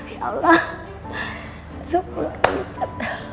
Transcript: ya allah sepuluh kali lipat